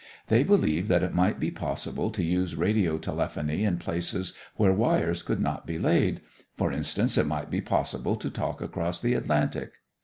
They believed that it might be possible to use radiotelephony in places where wires could not be laid. For instance, it might be possible to talk across the Atlantic.